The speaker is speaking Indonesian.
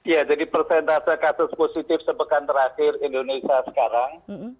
ya jadi persentase kasus positif sepekan terakhir indonesia sekarang